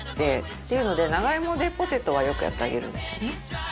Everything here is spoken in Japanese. っていうので長芋でポテトはよくやってあげるんですよね。